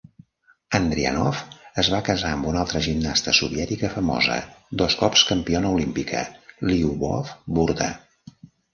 Andrianov es va casar amb una altra gimnasta soviètica famosa, dos cops campiona olímpica, Lyubov Burda.